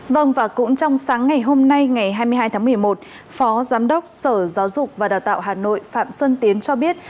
vâng và cũng trong sáng ngày hôm nay ngày hai mươi hai tháng một mươi một phó giám đốc sở giáo dục và đào tạo hà nội phạm xuân tiến cho biết